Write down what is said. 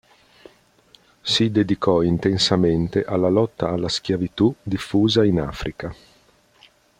Si dedicò intensamente alla lotta alla schiavitù diffusa in Africa.